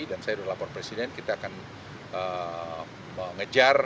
dan saya sudah lapor presiden kita akan mengejar